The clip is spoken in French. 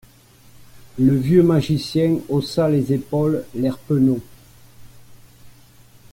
Le vieux magicien haussa les épaules, l’air penaud.